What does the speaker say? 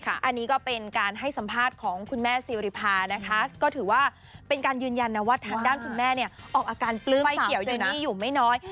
อันนี้ก็เป็นการให้สัมภาษณ์ของคุณแม่ซีริพานะคะก็ถือว่าเป็นการยืนยันนะว่าทางด้านคุณแม่เนี่ยออกอาการปลื้มปากเจนี่อยู่ไม่น้อย